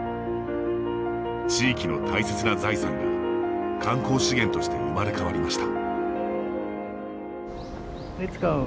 地域の大切な財産が、観光資源として生まれ変わりました。